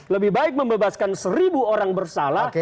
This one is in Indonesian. lebih baik membebaskan seribu orang bersalah